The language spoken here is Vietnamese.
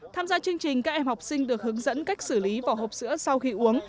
tham gia chương trình các em học sinh được hướng dẫn cách xử lý vỏ hộp sữa sau khi uống